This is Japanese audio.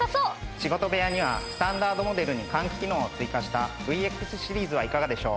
仕事部屋にはスタンダードモデルに換気機能を追加したＶＸシリーズはいかがでしょう。